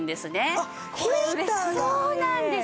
そうなんですよ。